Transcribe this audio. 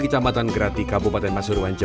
mendagangkan ibu gimana